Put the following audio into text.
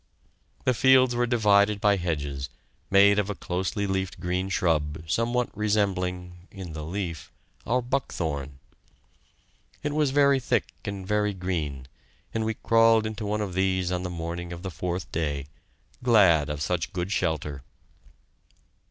The fields were divided by hedges, made of a closely leaved green shrub, somewhat resembling in the leaf our buckthorn. It was very thick and very green, and we crawled into one of these on the morning of the fourth day, glad of such a good shelter.